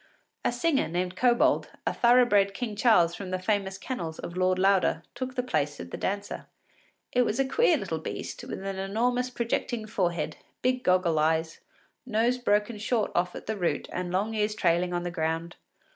A singer, named Kobold, a thorough bred King Charles from the famous kennels of Lord Lauder, took the place of the dancer. It was a queer little beast, with an enormous projecting forehead, big goggle eyes, nose broken short off at the root, and long ears trailing on the ground.